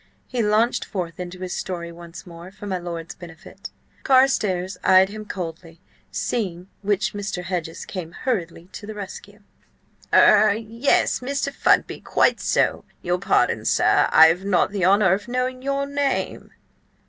He launched forth into his story once more for my lord's benefit. Carstares eyed him coldly, seeing which, Mr. Hedges came hurriedly to the rescue. "Er–yes, Mr. Fudby–quite so! Your pardon, sir, I have not the honour of knowing your name?"